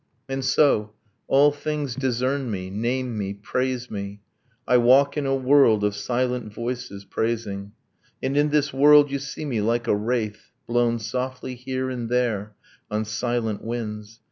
And so, all things discern me, name me, praise me I walk in a world of silent voices, praising; And in this world you see me like a wraith Blown softly here and there, on silent winds.